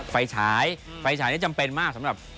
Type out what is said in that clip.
ไฟฉายไฟฉายนี้จำเป็นมากสำหรับ